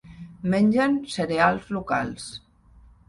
Mengen cereals locals.